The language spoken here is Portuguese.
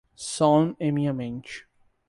Som em minha mente